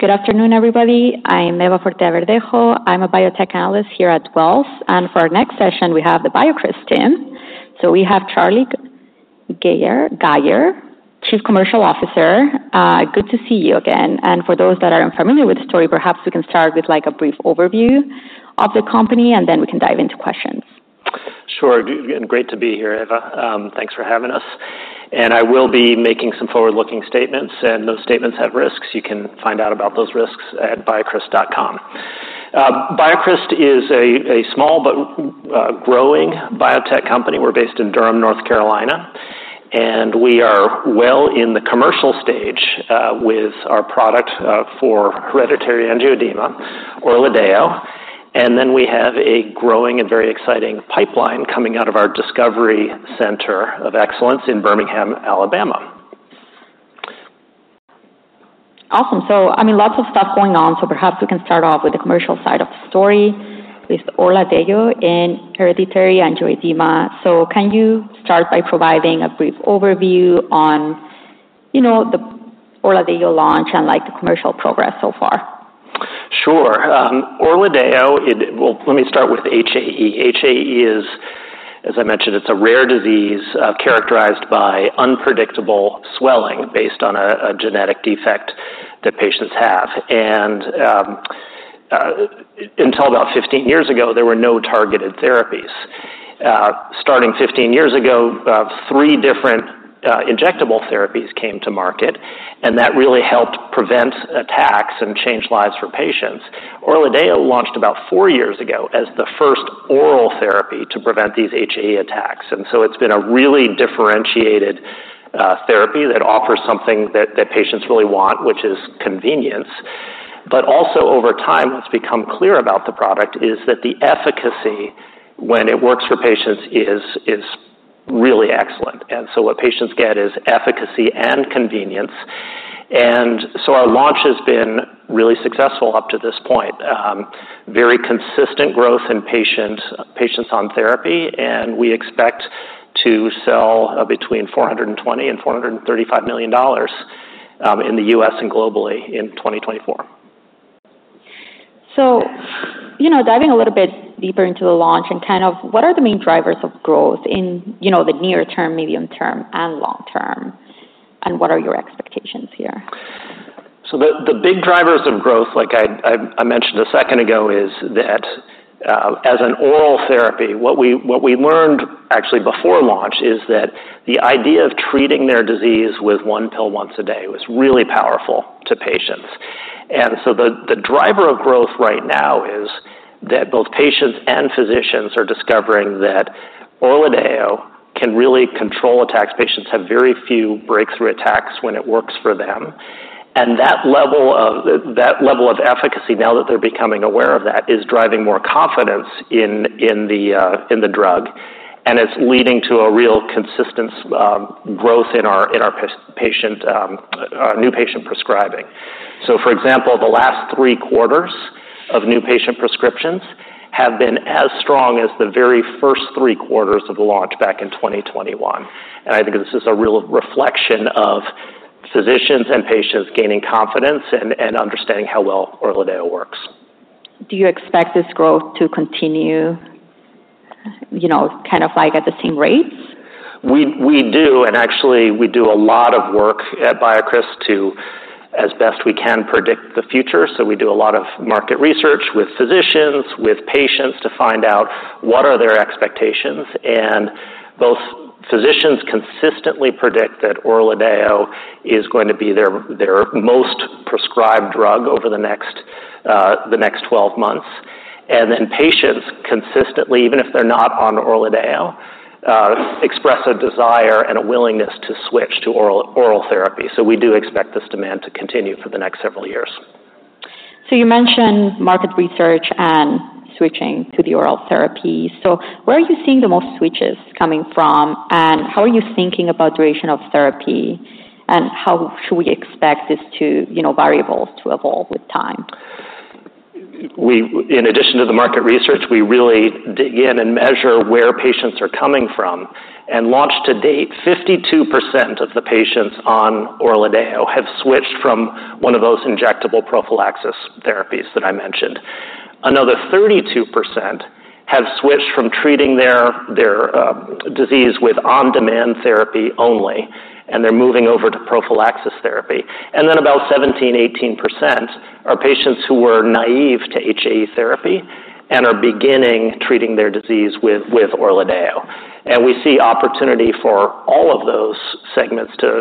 Good afternoon, everybody. I'm Eva Forte Verdejo. I'm a biotech analyst here at Wells, and for our next session, we have the BioCryst team, so we have Charlie Geyer, Gayer, Chief Commercial Officer. Good to see you again, and for those that are unfamiliar with the story, perhaps we can start with, like, a brief overview of the company, and then we can dive into questions. Sure, and great to be here, Eva. Thanks for having us, and I will be making some forward-looking statements, and those statements have risks. You can find out about those risks at biocryst.com. BioCryst is a small but growing biotech company. We're based in Durham, North Carolina, and we are well in the commercial stage with our product for hereditary angioedema, ORLADEYO. And then we have a growing and very exciting pipeline coming out of our Discovery Center of Excellence in Birmingham, Alabama. Awesome. So, I mean, lots of stuff going on. So perhaps we can start off with the commercial side of the story, with ORLADEYO in hereditary angioedema. So can you start by providing a brief overview on, you know, the ORLADEYO launch and, like, the commercial progress so far? Sure. ORLADEYO. Well, let me start with HAE. HAE is, as I mentioned, it's a rare disease characterized by unpredictable swelling based on a genetic defect that patients have. Until about fifteen years ago, there were no targeted therapies. Starting fifteen years ago, three different injectable therapies came to market, and that really helped prevent attacks and change lives for patients. ORLADEYO launched about four years ago as the first oral therapy to prevent these HAE attacks, and so it's been a really differentiated therapy that offers something that patients really want, which is convenience. But also, over time, what's become clear about the product is that the efficacy, when it works for patients, is really excellent, and so what patients get is efficacy and convenience. Our launch has been really successful up to this point. Very consistent growth in patients on therapy, and we expect to sell between $420 million and $435 million in the U.S. and globally in 2024. So, you know, diving a little bit deeper into the launch and kind of what are the main drivers of growth in, you know, the near term, medium term, and long term, and what are your expectations here? So the big drivers of growth, like I mentioned a second ago, is that, as an oral therapy, what we learned actually before launch is that the idea of treating their disease with one pill once a day was really powerful to patients. And so the driver of growth right now is that both patients and physicians are discovering that ORLADEYO can really control attacks. Patients have very few breakthrough attacks when it works for them, and that level of efficacy, now that they're becoming aware of that, is driving more confidence in the drug, and it's leading to a real consistent growth in our patient new patient prescribing. So, for example, the last three quarters of new patient prescriptions have been as strong as the very first three quarters of the launch back in 2021, and I think this is a real reflection of physicians and patients gaining confidence and understanding how well ORLADEYO works. Do you expect this growth to continue, you know, kind of like at the same rates? Actually, we do a lot of work at BioCryst to as best we can predict the future. We do a lot of market research with physicians, with patients, to find out what are their expectations. Both physicians consistently predict that ORLADEYO is going to be their most prescribed drug over the next 12 months. Patients consistently, even if they're not on ORLADEYO, express a desire and a willingness to switch to oral therapy. We expect this demand to continue for the next several years. So you mentioned market research and switching to the oral therapy. So where are you seeing the most switches coming from, and how are you thinking about duration of therapy, and how should we expect this to, you know, variables to evolve with time? In addition to the market research, we really dig in and measure where patients are coming from. At launch to date, 52% of the patients on ORLADEYO have switched from one of those injectable prophylaxis therapies that I mentioned. Another 32% have switched from treating their disease with on-demand therapy only, and they're moving over to prophylaxis therapy. And then about 17-18% are patients who were naive to HAE therapy and are beginning treating their disease with ORLADEYO. And we see opportunity for all of those segments to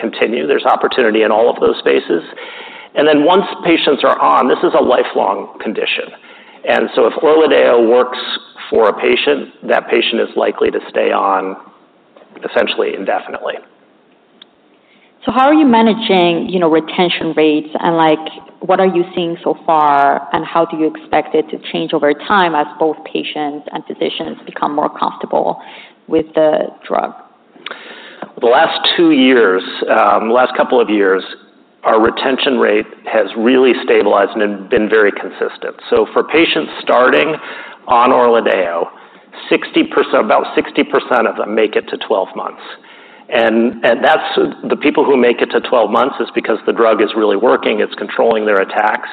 continue. There's opportunity in all of those spaces. And then once patients are on, this is a lifelong condition, and so if ORLADEYO works for a patient, that patient is likely to stay on essentially indefinitely. So how are you managing, you know, retention rates, and, like, what are you seeing so far, and how do you expect it to change over time as both patients and physicians become more comfortable with the drug? The last two years, the last couple of years, our retention rate has really stabilized and been very consistent. For patients starting on ORLADEYO, 60%, about 60% of them make it to 12 months. And that's the people who make it to 12 months is because the drug is really working, it's controlling their attacks,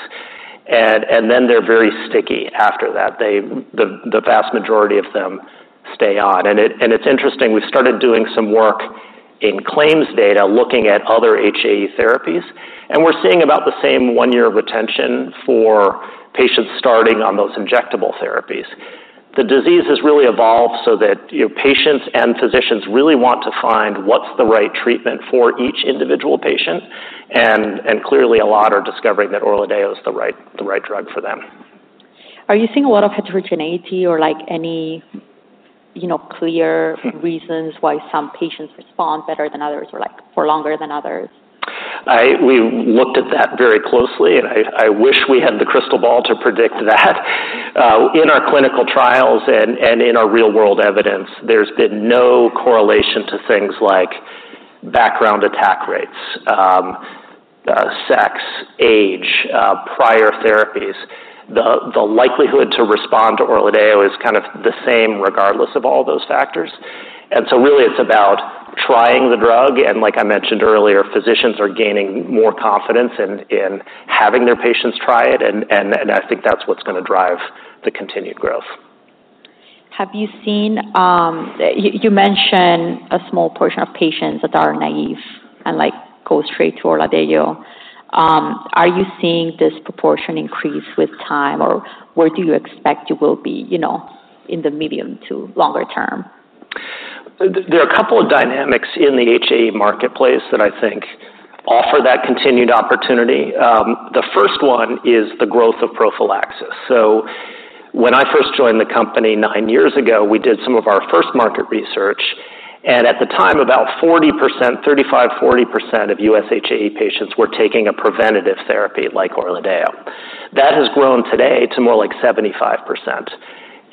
and then they're very sticky after that. They, the vast majority of them stay on. And it's interesting, we've started doing some work in claims data, looking at other HAE therapies, and we're seeing about the same one year of retention for patients starting on those injectable therapies. The disease has really evolved so that, you know, patients and physicians really want to find what's the right treatment for each individual patient, and clearly, a lot are discovering that ORLADEYO is the right drug for them. Are you seeing a lot of heterogeneity or, like, any, you know, clear reasons why some patients respond better than others or, like, for longer than others? We looked at that very closely, and I wish we had the crystal ball to predict that. In our clinical trials and in our real-world evidence, there's been no correlation to things like background attack rates, sex, age, prior therapies. The likelihood to respond to ORLADEYO is kind of the same, regardless of all those factors, and so really it's about trying the drug, and like I mentioned earlier, physicians are gaining more confidence in having their patients try it, and I think that's what's gonna drive the continued growth. Have you seen... You mentioned a small portion of patients that are naive and, like, go straight to ORLADEYO. Are you seeing this proportion increase with time, or where do you expect you will be, you know, in the medium to longer term? There are a couple of dynamics in the HAE marketplace that I think offer that continued opportunity. The first one is the growth of prophylaxis. When I first joined the company nine years ago, we did some of our first market research, and at the time, about 40%, 35%-40% of U.S. HAE patients were taking a preventative therapy like ORLADEYO. That has grown today to more like 75%,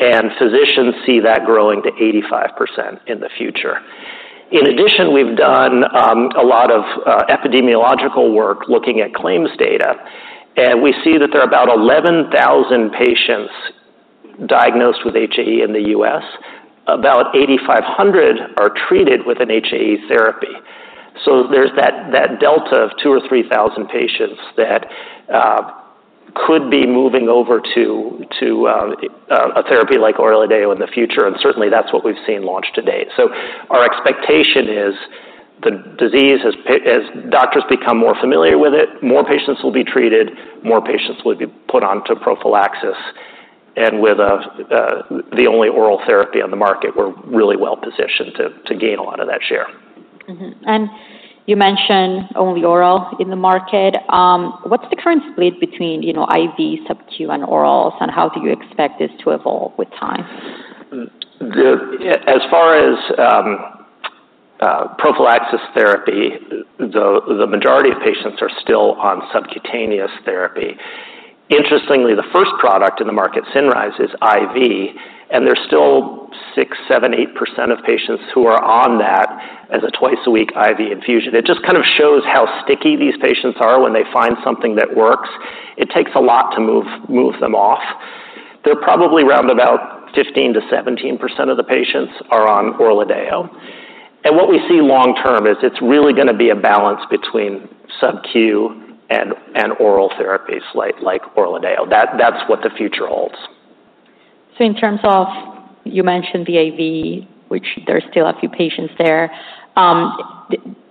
and physicians see that growing to 85% in the future. In addition, we've done a lot of epidemiological work looking at claims data, and we see that there are about 11,000 patients diagnosed with HAE in the U.S. About eighty-five hundred are treated with an HAE therapy, so there's that delta of two or three thousand patients that could be moving over to a therapy like ORLADEYO in the future, and certainly that's what we've seen launched to date. So our expectation is the disease has, as doctors become more familiar with it, more patients will be treated, more patients will be put onto prophylaxis, and with the only oral therapy on the market, we're really well positioned to gain a lot of that share. Mm-hmm. And you mentioned only oral in the market. What's the current split between, you know, IV, subcu, and orals, and how do you expect this to evolve with time? As far as prophylaxis therapy, the majority of patients are still on subcutaneous therapy. Interestingly, the first product in the market, CINRYZE, is IV, and there's still 6%-8% of patients who are on that as a twice-a-week IV infusion. It just kind of shows how sticky these patients are when they find something that works. It takes a lot to move them off. They're probably around about 15%-17% of the patients are on ORLADEYO, and what we see long term is it's really gonna be a balance between subcu and oral therapies, like ORLADEYO. That's what the future holds. In terms of, you mentioned the IV, which there are still a few patients there.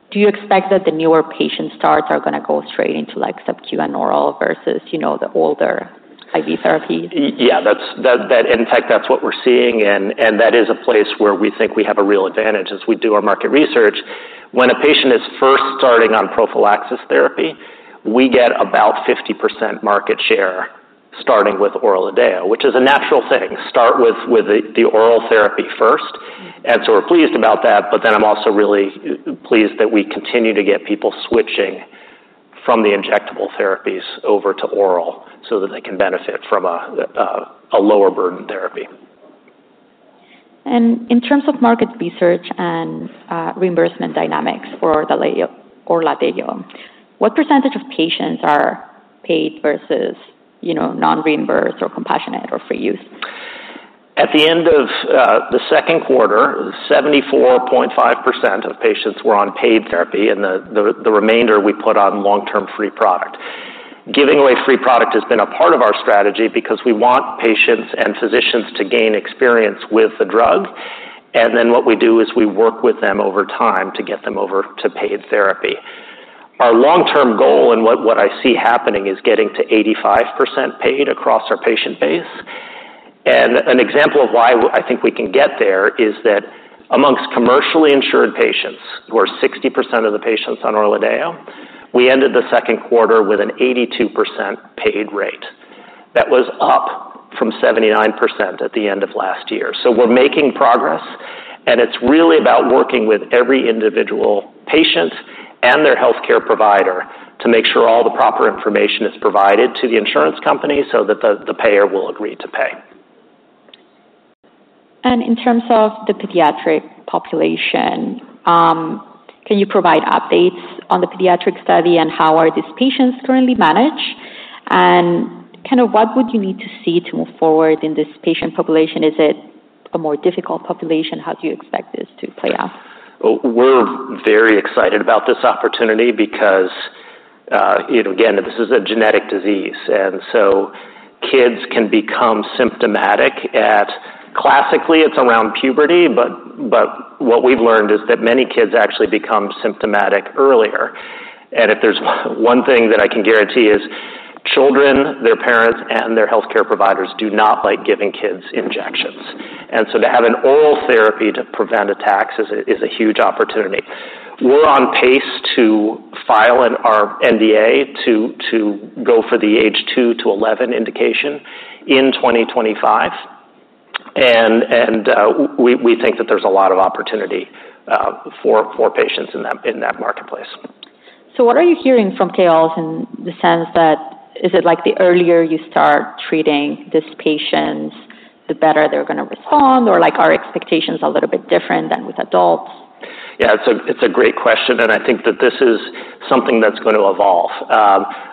Do you expect that the newer patient starts are gonna go straight into, like, subcu and oral versus, you know, the older IV therapy? In fact, that's what we're seeing, and that is a place where we think we have a real advantage as we do our market research. When a patient is first starting on prophylaxis therapy, we get about 50% market share, starting with ORLADEYO, which is a natural thing, start with the oral therapy first. Mm. And so we're pleased about that, but then I'm also really pleased that we continue to get people switching from the injectable therapies over to oral so that they can benefit from a lower-burden therapy. And in terms of market research and reimbursement dynamics for ORLADEYO, what percentage of patients are paid versus, you know, non-reimbursed or compassionate or free use? At the end of the second quarter, 74.5% of patients were on paid therapy, and the remainder we put on long-term free product. Giving away free product has been a part of our strategy because we want patients and physicians to gain experience with the drug, and then what we do is we work with them over time to get them over to paid therapy. Our long-term goal, and what I see happening, is getting to 85% paid across our patient base. An example of why I think we can get there is that amongst commercially insured patients, who are 60% of the patients on ORLADEYO, we ended the second quarter with an 82% paid rate. That was up from 79% at the end of last year. So we're making progress, and it's really about working with every individual patient and their healthcare provider to make sure all the proper information is provided to the insurance company so that the payer will agree to pay. In terms of the pediatric population, can you provide updates on the pediatric study, and how are these patients currently managed?... Kind of, what would you need to see to move forward in this patient population? Is it a more difficult population? How do you expect this to play out? Oh, we're very excited about this opportunity because, you know, again, this is a genetic disease, and so kids can become symptomatic at, classically, it's around puberty, but what we've learned is that many kids actually become symptomatic earlier. And if there's one thing that I can guarantee is children, their parents, and their healthcare providers do not like giving kids injections. And so to have an oral therapy to prevent attacks is a huge opportunity. We're on pace to file our NDA to go for the age 2 to 11 indication in 2025. And we think that there's a lot of opportunity for patients in that marketplace. So what are you hearing from KOL in the sense that is it like the earlier you start treating these patients, the better they're gonna respond, or like, are expectations a little bit different than with adults? Yeah, it's a great question, and I think that this is something that's going to evolve.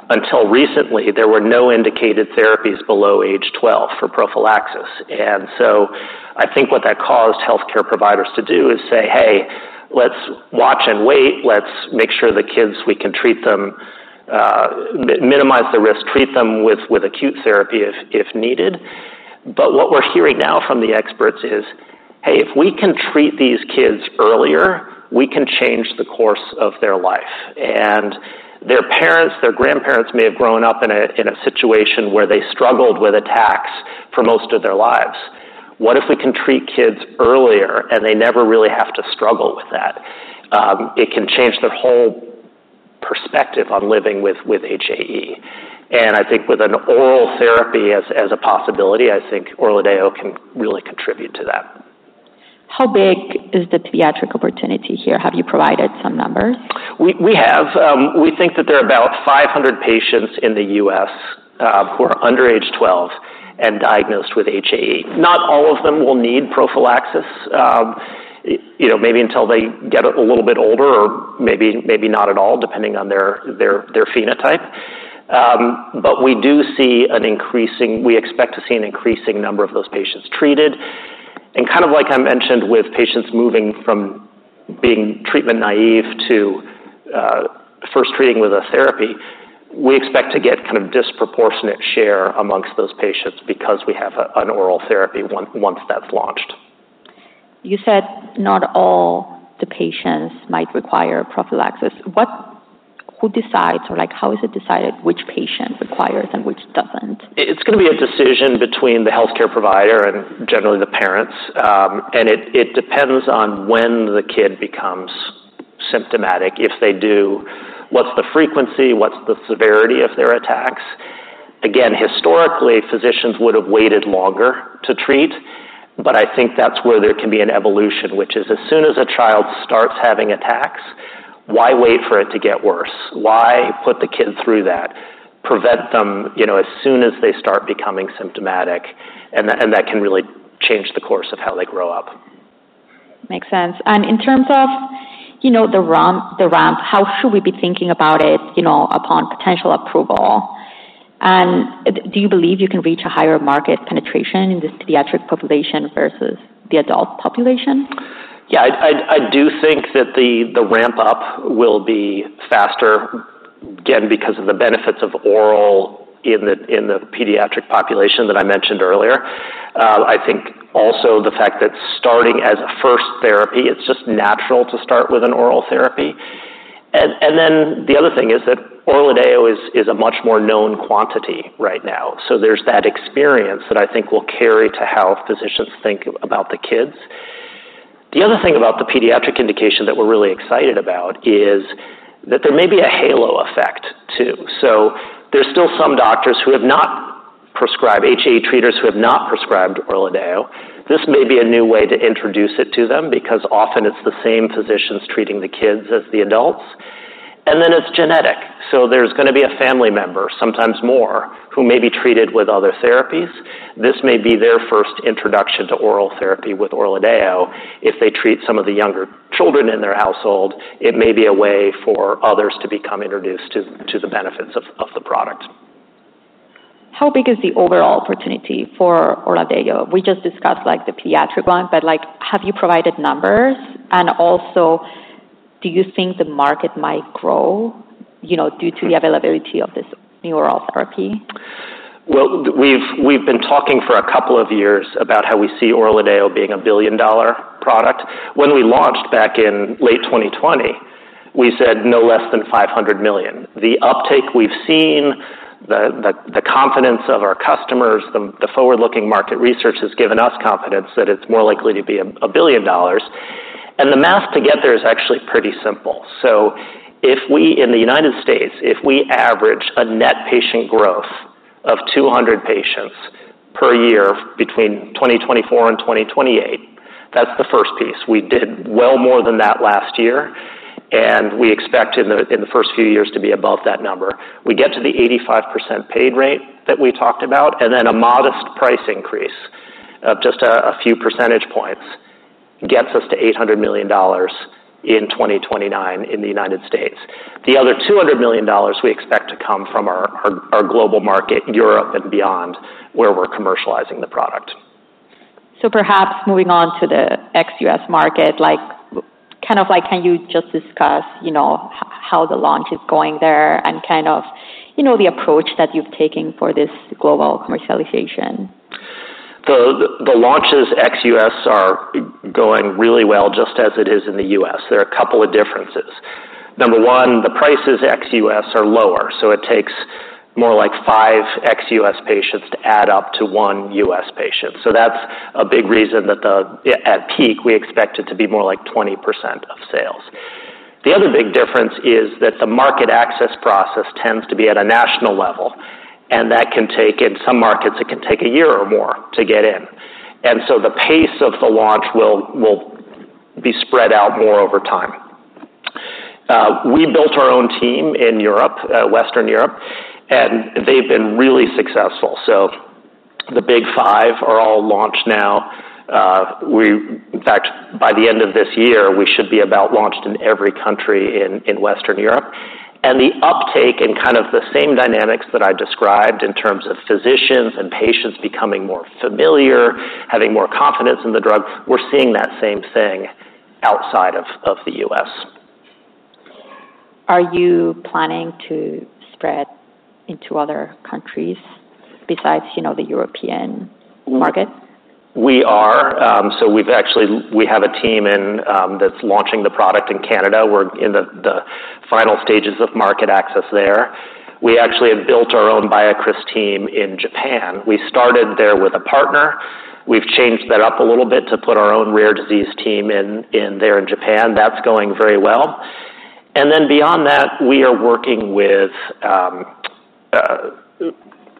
Until recently, there were no indicated therapies below age twelve for prophylaxis. And so I think what that caused healthcare providers to do is say, "Hey, let's watch and wait. Let's make sure the kids, we can treat them, minimize the risk, treat them with acute therapy if needed." But what we're hearing now from the experts is, "Hey, if we can treat these kids earlier, we can change the course of their life. And their parents, their grandparents may have grown up in a situation where they struggled with attacks for most of their lives. What if we can treat kids earlier, and they never really have to struggle with that? It can change their whole perspective on living with HAE," and I think with an oral therapy as a possibility, I think ORLADEYO can really contribute to that. How big is the pediatric opportunity here? Have you provided some numbers? We have. We think that there are about 500 patients in the U.S. who are under age 12 and diagnosed with HAE. Not all of them will need prophylaxis. You know, maybe until they get a little bit older or maybe not at all, depending on their phenotype. But we expect to see an increasing number of those patients treated. Kind of like I mentioned, with patients moving from being treatment naive to first treating with a therapy, we expect to get kind of disproportionate share amongst those patients because we have an oral therapy once that's launched. You said not all the patients might require prophylaxis. Who decides or, like, how is it decided which patient requires and which doesn't? It's gonna be a decision between the healthcare provider and generally the parents. And it depends on when the kid becomes symptomatic. If they do, what's the frequency? What's the severity of their attacks? Again, historically, physicians would have waited longer to treat, but I think that's where there can be an evolution, which is as soon as a child starts having attacks, why wait for it to get worse? Why put the kid through that? Prevent them, you know, as soon as they start becoming symptomatic, and that can really change the course of how they grow up. Makes sense. And in terms of, you know, the ramp, how should we be thinking about it, you know, upon potential approval? And do you believe you can reach a higher market penetration in this pediatric population versus the adult population? Yeah, I do think that the ramp-up will be faster, again, because of the benefits of oral in the pediatric population that I mentioned earlier. I think also the fact that starting as a first therapy, it's just natural to start with an oral therapy. And then the other thing is that ORLADEYO is a much more known quantity right now, so there's that experience that I think will carry to how physicians think about the kids. The other thing about the pediatric indication that we're really excited about is that there may be a halo effect, too. So there's still some doctors who have not prescribed HAE, treaters who have not prescribed ORLADEYO. This may be a new way to introduce it to them because often it's the same physicians treating the kids as the adults. Then it's genetic, so there's gonna be a family member, sometimes more, who may be treated with other therapies. This may be their first introduction to oral therapy with ORLADEYO. If they treat some of the younger children in their household, it may be a way for others to become introduced to the benefits of the product. How big is the overall opportunity for ORLADEYO? We just discussed, like, the pediatric one, but, like, have you provided numbers? And also, do you think the market might grow, you know, due to the availability of this new oral therapy? We've been talking for a couple of years about how we see ORLADEYO being a $1 billion-dollar product. When we launched back in late 2020, we said no less than $500 million. The uptake we've seen, the confidence of our customers, the forward-looking market research has given us confidence that it's more likely to be a $1 billion. The math to get there is actually pretty simple. If we in the United States average a net patient growth of 200 patients per year between 2024 and 2028, that's the first piece. We did well more than that last year, and we expect in the first few years to be above that number. We get to the 85% paid rate that we talked about, and then a modest price increase of just a few percentage points gets us to $800 million in 2029 in the United States. The other $200 million we expect to come from our global market, Europe and beyond, where we're commercializing the product. So perhaps moving on to the ex-US market, like, kind of like, can you just discuss, you know, how the launch is going there and kind of, you know, the approach that you've taken for this global commercialization? The launches ex-US are going really well, just as it is in the US. There are a couple of differences. Number one, the prices ex-US are lower, so it takes more like five ex-US patients to add up to one US patient. So that's a big reason that the at peak, we expect it to be more like 20% of sales. The other big difference is that the market access process tends to be at a national level, and that can take, in some markets, it can take a year or more to get in. And so the pace of the launch will be spread out more over time. We built our own team in Europe, Western Europe, and they've been really successful. So the Big Five are all launched now. We... In fact, by the end of this year, we should be about launched in every country in Western Europe, and the uptake and kind of the same dynamics that I described in terms of physicians and patients becoming more familiar, having more confidence in the drug, we're seeing that same thing outside of the U.S. Are you planning to spread into other countries besides, you know, the European market? We are. So we've actually. We have a team that's launching the product in Canada. We're in the final stages of market access there. We actually have built our own BioCryst team in Japan. We started there with a partner. We've changed that up a little bit to put our own rare disease team in there in Japan. That's going very well. And then beyond that, we are working with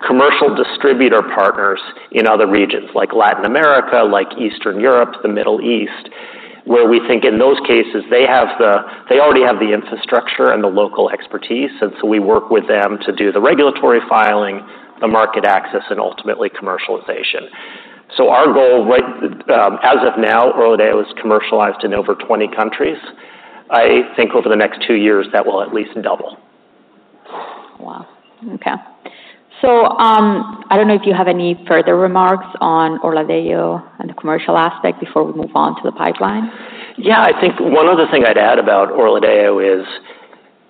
commercial distributor partners in other regions, like Latin America, like Eastern Europe, the Middle East, where we think in those cases, they already have the infrastructure and the local expertise, and so we work with them to do the regulatory filing, the market access, and ultimately commercialization. So our goal, right, as of now, ORLADEYO is commercialized in over 20 countries. I think over the next two years, that will at least double. Wow! Okay. So, I don't know if you have any further remarks on ORLADEYO and the commercial aspect before we move on to the pipeline? Yeah, I think one other thing I'd add about ORLADEYO is,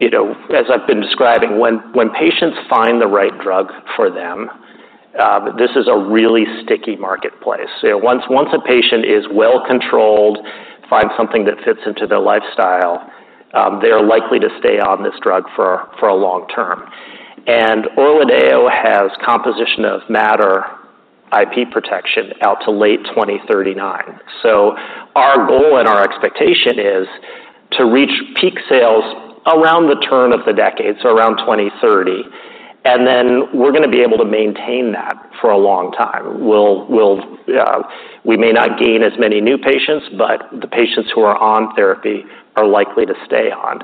you know, as I've been describing, when patients find the right drug for them, this is a really sticky marketplace. Once a patient is well controlled, finds something that fits into their lifestyle, they are likely to stay on this drug for a long term. And ORLADEYO has composition of matter, IP protection out to late 2039. So our goal and our expectation is to reach peak sales around the turn of the decade, so around 2030, and then we're gonna be able to maintain that for a long time. We may not gain as many new patients, but the patients who are on therapy are likely to stay on.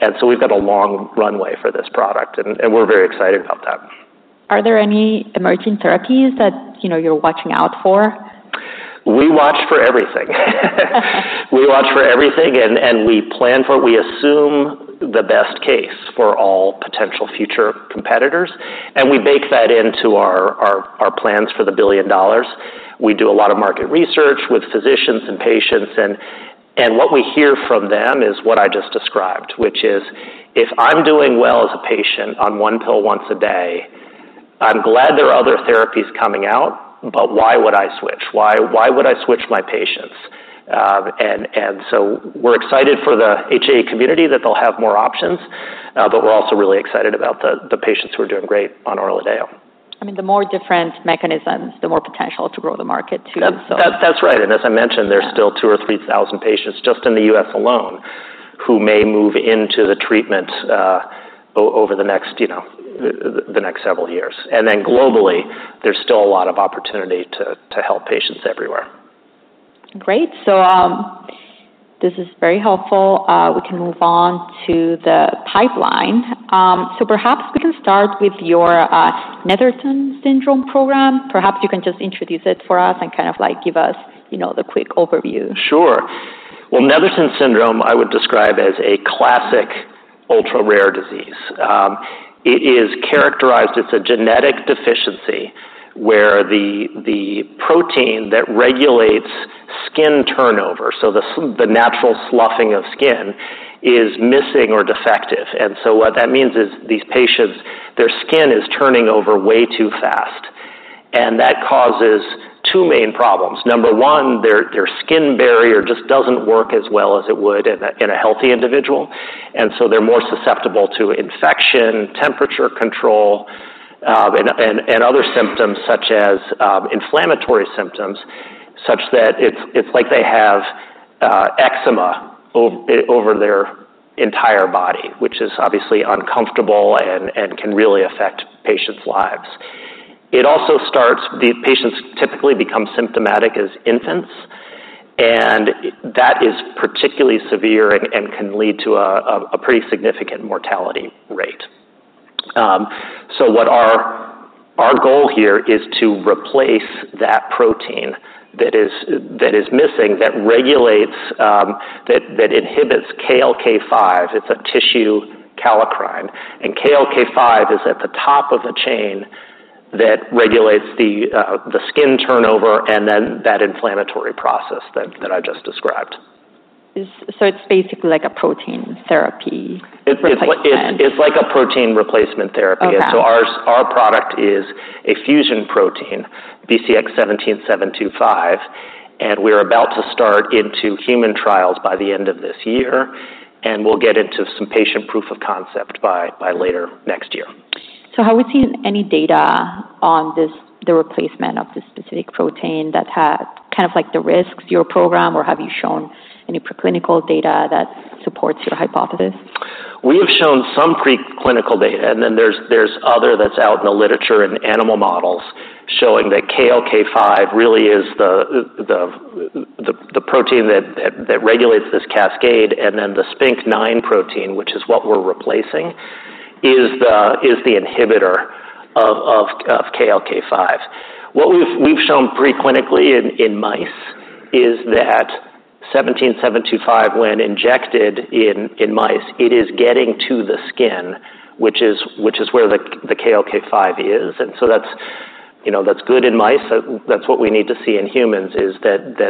And so we've got a long runway for this product, and we're very excited about that. Are there any emerging therapies that, you know, you're watching out for? We watch for everything. We watch for everything, and we plan for... We assume the best case for all potential future competitors, and we bake that into our plans for the $1 billion. We do a lot of market research with physicians and patients, and what we hear from them is what I just described, which is, if I'm doing well as a patient on one pill once a day, I'm glad there are other therapies coming out, but why would I switch? Why would I switch my patients? And so we're excited for the HAE community, that they'll have more options, but we're also really excited about the patients who are doing great on ORLADEYO. I mean, the more different mechanisms, the more potential to grow the market, too, so. That's right. As I mentioned, there's still two or three thousand patients just in the US alone who may move into the treatment over the next, you know, several years. Then globally, there's still a lot of opportunity to help patients everywhere. Great. So, this is very helpful. We can move on to the pipeline. Perhaps we can start with your Netherton syndrome program. Perhaps you can just introduce it for us and kind of, like, give us, you know, the quick overview. Sure. Well, Netherton syndrome, I would describe as a classic ultra-rare disease. It is characterized, it's a genetic deficiency, where the protein that regulates skin turnover, so the natural sloughing of skin, is missing or defective. And so what that means is these patients, their skin is turning over way too fast, and that causes two main problems. Number one, their skin barrier just doesn't work as well as it would in a healthy individual, and so they're more susceptible to infection, temperature control, and other symptoms such as inflammatory symptoms, such that it's like they have eczema over their entire body, which is obviously uncomfortable and can really affect patients' lives. It also starts... The patients typically become symptomatic as infants, and that is particularly severe and can lead to a pretty significant mortality rate. So what our goal here is to replace that protein that is missing that regulates that inhibits KLK5. It's a tissue kallikrein, and KLK5 is at the top of the chain that regulates the skin turnover, and then that inflammatory process that I just described. So it's basically like a protein therapy replacement? It's like a protein replacement therapy. Okay. And so our product is a fusion protein, BCX17725, and we're about to start into human trials by the end of this year, and we'll get into some patient proof of concept by later next year. So, have we seen any data on this, the replacement of this specific protein that had kind of like the risks, your program, or have you shown any preclinical data that supports your hypothesis? We have shown some preclinical data, and then there's other that's out in the literature and animal models showing that KLK5 really is the protein that regulates this cascade, and then the SPINK9 protein, which is what we're replacing, is the inhibitor of KLK5. What we've shown preclinically in mice is that seventeen seven two five, when injected in mice, it is getting to the skin, which is where the KLK5 is. And so that's, you know, that's good in mice. So that's what we need to see in humans, is that the...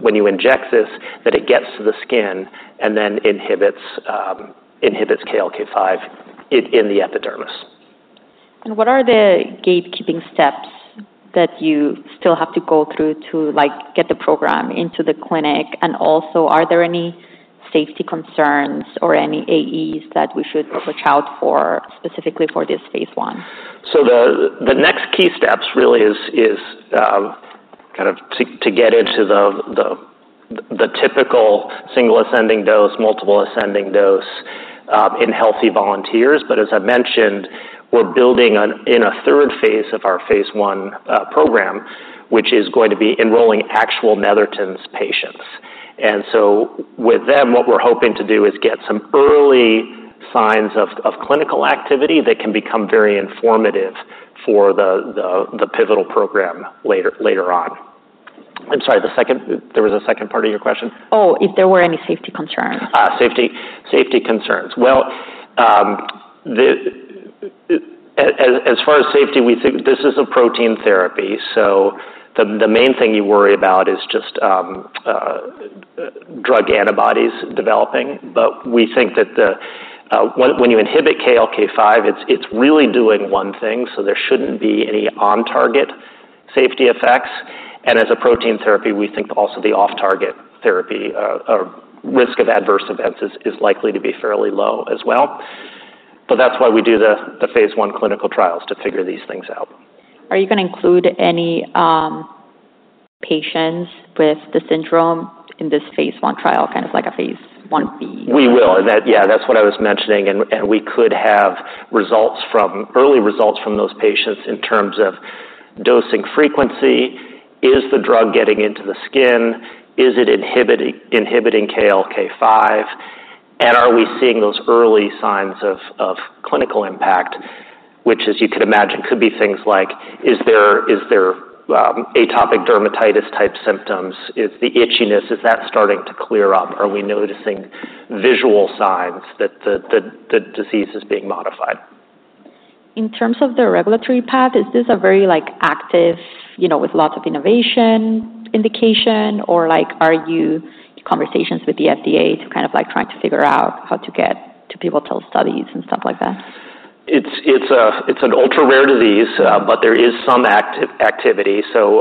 When you inject this, that it gets to the skin and then inhibits KLK5 in the epidermis. What are the gatekeeping steps that you still have to go through to, like, get the program into the clinic? And also, are there any safety concerns or any AEs that we should watch out for, specifically for this phase 1? So the next key steps really is kind of to get into the typical single ascending dose, multiple ascending dose in healthy volunteers. But as I mentioned, we're building on in a third phase of our phase 1 program, which is going to be enrolling actual Netherton’s patients. And so with them, what we're hoping to do is get some early signs of clinical activity that can become very informative for the pivotal program later on. I'm sorry, the second, there was a second part of your question? Oh, if there were any safety concerns. Safety, safety concerns. As far as safety, we think this is a protein therapy, so the main thing you worry about is just drug antibodies developing, but we think that when you inhibit KLK5, it's really doing one thing, so there shouldn't be any on-target safety effects, and as a protein therapy, we think also the off-target therapy or risk of adverse events is likely to be fairly low as well, but that's why we do the phase 1 clinical trials to figure these things out. Are you gonna include any patients with the syndrome in this phase 1 trial, kind of like a phase 1b? We will, and that... Yeah, that's what I was mentioning, and we could have early results from those patients in terms of dosing frequency. Is the drug getting into the skin? Is it inhibiting KLK5? And are we seeing those early signs of clinical impact, which, as you could imagine, could be things like, is there atopic dermatitis-type symptoms? Is the itchiness, is that starting to clear up? Are we noticing visual signs that the disease is being modified? In terms of the regulatory path, is this a very, like, active, you know, with lots of innovation indication, or, like, are you conversations with the FDA to kind of, like, trying to figure out how to get to pivotal studies and stuff like that? It's an ultra-rare disease, but there is some activity. So,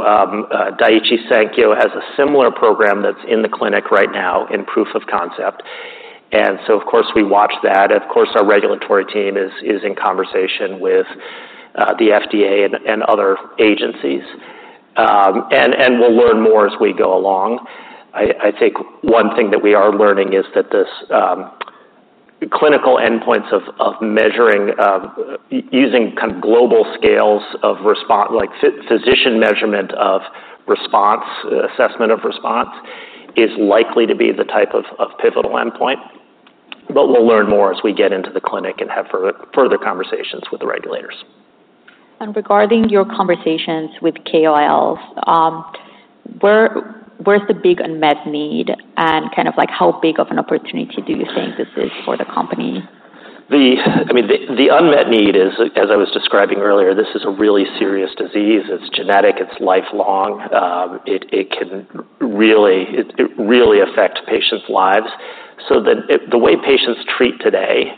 Daiichi Sankyo has a similar program that's in the clinic right now in proof of concept, and so of course, we watch that. Of course, our regulatory team is in conversation with the FDA and other agencies. We'll learn more as we go along. I think one thing that we are learning is that this clinical endpoints of measuring using kind of global scales of response like physician measurement of response, assessment of response, is likely to be the type of pivotal endpoint. But we'll learn more as we get into the clinic and have further conversations with the regulators. Regarding your conversations with KOLs, where's the big unmet need, and kind of like, how big of an opportunity do you think this is for the company? I mean, the unmet need is, as I was describing earlier, this is a really serious disease. It's genetic. It's lifelong. It can really affect patients' lives. So the way patients treat today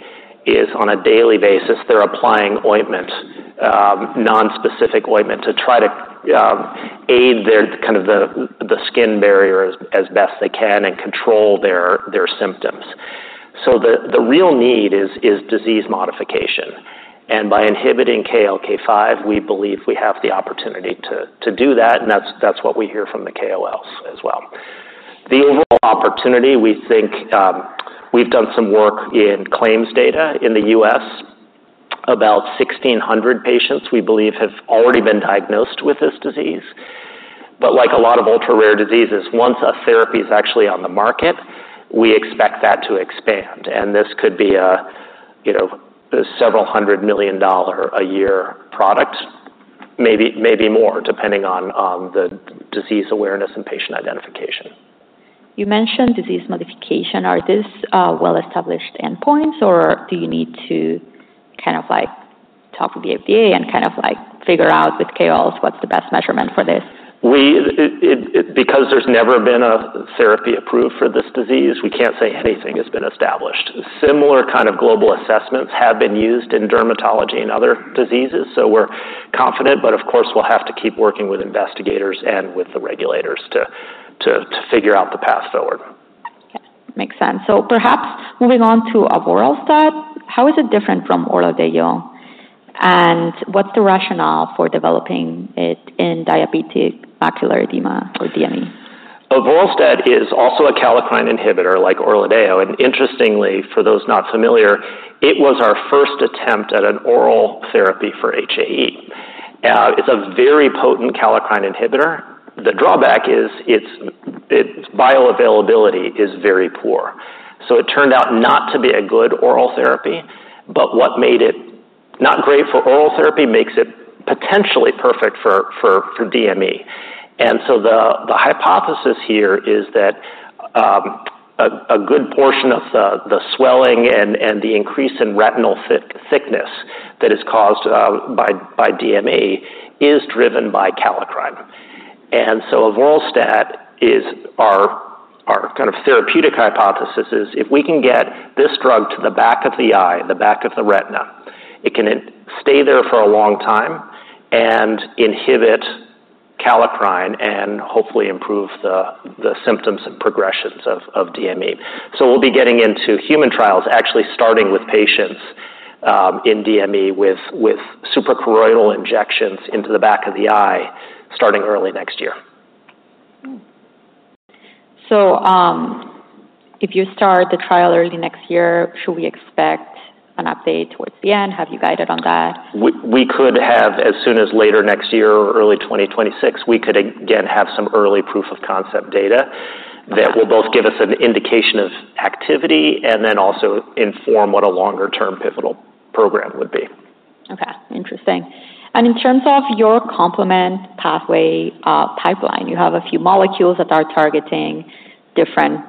is on a daily basis, they're applying ointment, nonspecific ointment, to try to aid their skin barrier as best they can and control their symptoms. So the real need is disease modification, and by inhibiting KLK5, we believe we have the opportunity to do that, and that's what we hear from the KOLs as well. The overall opportunity, we think, we've done some work in claims data in the US. About 1,600 patients, we believe, have already been diagnosed with this disease. But like a lot of ultra-rare diseases, once a therapy is actually on the market, we expect that to expand, and this could be a, you know, several-hundred-million-dollar-a-year product, maybe, maybe more, depending on the disease awareness and patient identification. You mentioned disease modification. Are these well-established endpoints, or do you need to kind of, like, talk with the FDA and kind of, like, figure out with KOLs what's the best measurement for this? Because there's never been a therapy approved for this disease, we can't say anything has been established. Similar kind of global assessments have been used in dermatology and other diseases, so we're confident, but of course, we'll have to keep working with investigators and with the regulators to figure out the path forward. Okay, makes sense. So perhaps moving on to avoralstat, how is it different from Eylea, and what's the rationale for developing it in diabetic macular edema or DME? Avoralstat is also a kallikrein inhibitor like ORLADEYO, and interestingly, for those not familiar, it was our first attempt at an oral therapy for HAE. It's a very potent kallikrein inhibitor. The drawback is its bioavailability is very poor, so it turned out not to be a good oral therapy, but what made it not great for oral therapy makes it potentially perfect for DME. And so the hypothesis here is that a good portion of the swelling and the increase in retinal thickness that is caused by DME is driven by kallikrein. And so avoralstat is our... Our kind of therapeutic hypothesis is, if we can get this drug to the back of the eye, the back of the retina, it can then stay there for a long time and inhibit kallikrein and hopefully improve the symptoms and progressions of DME. So we'll be getting into human trials, actually starting with patients in DME with suprachoroidal injections into the back of the eye, starting early next year. If you start the trial early next year, should we expect an update towards the end? Have you guided on that? We could have as soon as later next year or early 2026, we could again have some early proof of concept data that will both give us an indication of activity and then also inform what a longer-term pivotal program would be. Okay, interesting and in terms of your complement pathway, pipeline, you have a few molecules that are targeting different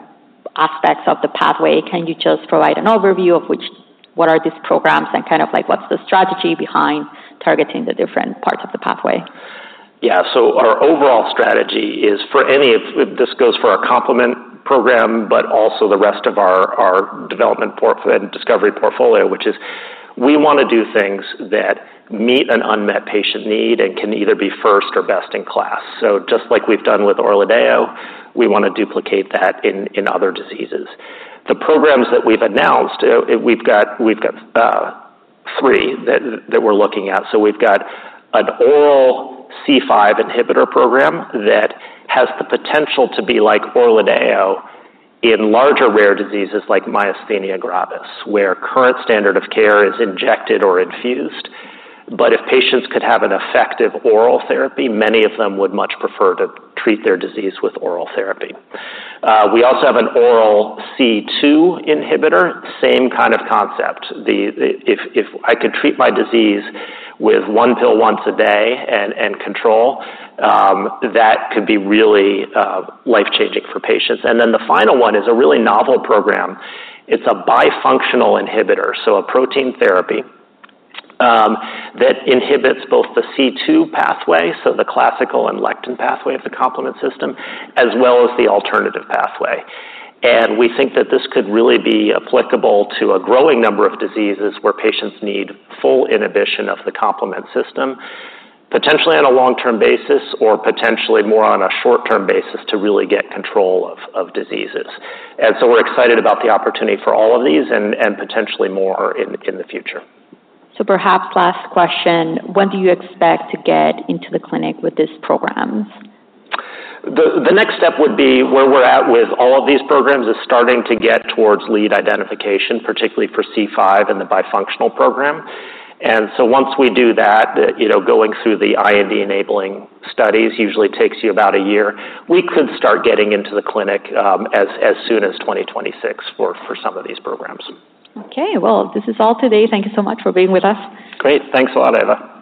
aspects of the pathway. Can you just provide an overview of which... What are these programs, and kind of like, what's the strategy behind targeting the different parts of the pathway? Yeah. So our overall strategy is for any of this goes for our complement program, but also the rest of our discovery portfolio, which is we wanna do things that meet an unmet patient need and can either be first or best in class. So just like we've done with Eylea, we want to duplicate that in other diseases. The programs that we've announced, we've got three that we're looking at. So we've got an oral C5 inhibitor program that has the potential to be like Eylea in larger rare diseases like myasthenia gravis, where current standard of care is injected or infused. But if patients could have an effective oral therapy, many of them would much prefer to treat their disease with oral therapy. We also have an oral C2 inhibitor. Same kind of concept. If I could treat my disease with one pill once a day and control that could be really life-changing for patients. And then the final one is a really novel program. It's a bifunctional inhibitor, so a protein therapy that inhibits both the C2 pathway, so the classical and lectin pathway of the complement system, as well as the alternative pathway. And we think that this could really be applicable to a growing number of diseases where patients need full inhibition of the complement system, potentially on a long-term basis or potentially more on a short-term basis to really get control of diseases. And so we're excited about the opportunity for all of these and potentially more in the future. So perhaps last question: When do you expect to get into the clinic with these programs? The next step would be, where we're at with all of these programs, is starting to get towards lead identification, particularly for C5 and the bifunctional program. So once we do that, you know, going through the IND-enabling studies usually takes you about a year. We could start getting into the clinic as soon as 2026 for some of these programs. Okay, well, this is all today. Thank you so much for being with us. Great. Thanks a lot, Eva.